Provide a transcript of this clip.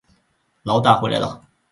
牢大回来了